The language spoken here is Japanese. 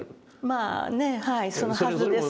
まあねえはいそのはずです。